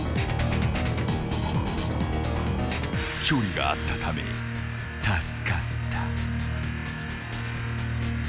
［距離があったため助かった］